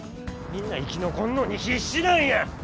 みんな生き残んのに必死なんや！